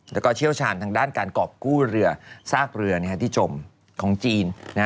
แล้วก็เชี่ยวชาญทางด้านการกรอบกู้เรือซากเรือที่จมของจีน